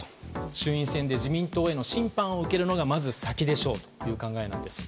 衆院選で自民党への審判を受けるのがまず、先でしょうという考えなんです。